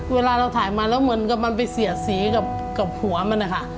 เวลาเราถ่ายมาแล้วเหมือนกับมันไปเสียดสีกับหัวมันนะคะ